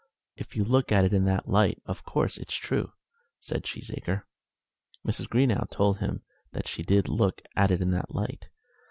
"If you look at it in that light, of course it's true," said Cheesacre. Mrs. Greenow told him that she did look at it in that light.